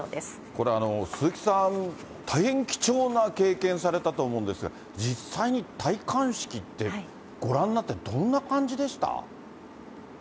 これ、鈴木さん、大変貴重な経験されたと思うんですが、実際に戴冠式ってご覧になって、どんな感じでした？